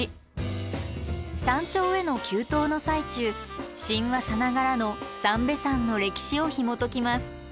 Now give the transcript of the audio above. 山頂への急登の最中神話さながらの三瓶山の歴史をひもときます。